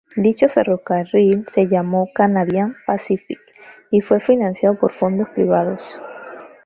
Dicho ferrocarril se llamó "Canadian Pacific", y fue financiado por fondos privados.